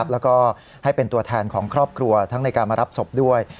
แล้วก็ให้เป็นตัวแทนของครอบครัวทั้งในการมารับศพด้วย